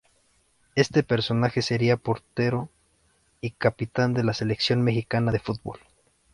Este personaje sería portero y capitán de la Selección Mexicana de Fútbol.